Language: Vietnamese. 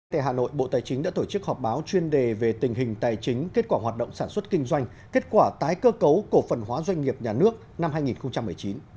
tại hà nội bộ tài chính đã tổ chức họp báo chuyên đề về tình hình tài chính kết quả hoạt động sản xuất kinh doanh kết quả tái cơ cấu cổ phần hóa doanh nghiệp nhà nước năm hai nghìn một mươi chín